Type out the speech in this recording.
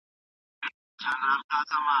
آیا تاسې د انټرنیټ له لارې معلومات لټوئ؟